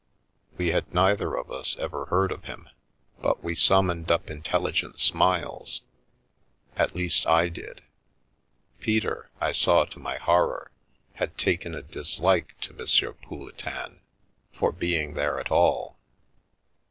We had neither of us ever heard of him, but we 283 The Milky Way summoned up intelligent smiles — at least I did. Peter, I saw to my horror, had taken a dislike to M. Pouletin for being there at all.